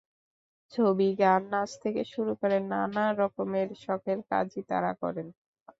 ছবি, গান, নাচ থেকে শুরু করে নানা রকমের শখের কাজই তাঁরা করেন।